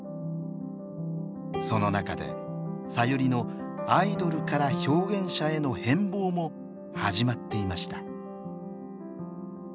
その中でさゆりのアイドルから表現者への変貌も始まっていました。